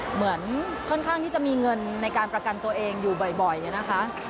เหมือนค่อนข้างที่จะมีเงินในการประกันตัวเองอยู่บ่อยนะคะ